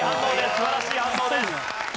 素晴らしい反応です。